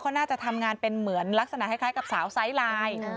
เขาน่าจะทำงานเป็นเหมือนลักษณะคล้ายกับสาวไซส์ไลน์